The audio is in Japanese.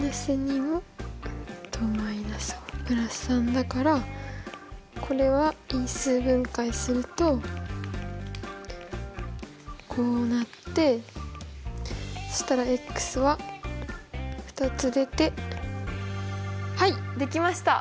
だからこれは因数分解するとこうなってそしたらは２つ出てはいできました！